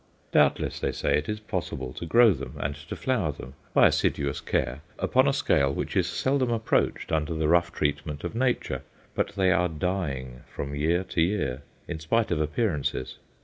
Doubtless, they say, it is possible to grow them and to flower them, by assiduous care, upon a scale which is seldom approached under the rough treatment of Nature. But they are dying from year to year, in spite of appearances.